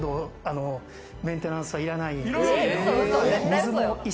ほとんどメンテナンスはいらない。